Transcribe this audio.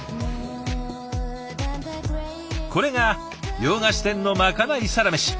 これが洋菓子店のまかないサラメシ。